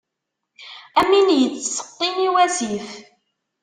Am win yettseqqin i wasif.